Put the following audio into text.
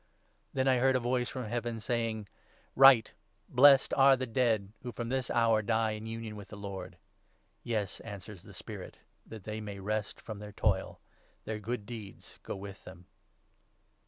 Then I heard a voice from Heaven saying ' Write —" Blessed 13 are the dead who from this hour die in union with the Lord." " Yes," answers the Spirit, "that they may rest from their toil. Their good deeds go with them."'